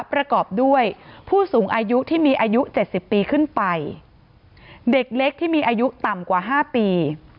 ประกอบด้วยผู้สูงอายุที่มีอายุเจ็ดสิบปีขึ้นไปเด็กเล็กที่มีอายุต่ำกว่าห้าปี